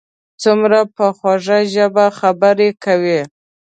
څومره په خوږه ژبه خبرې کوي.